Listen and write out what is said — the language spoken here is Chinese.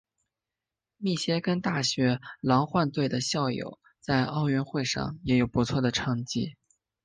密歇根大学狼獾队的校友在奥运会上也有不错的成绩。